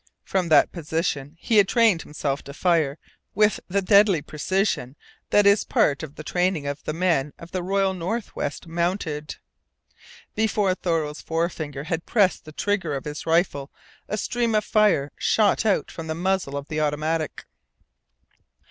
From that position he had trained himself to fire with the deadly precision that is a part of the training of the men of the Royal Northwest Mounted. Before Thoreau's forefinger had pressed the trigger of his rifle a stream of fire shot out from the muzzle of the automatic.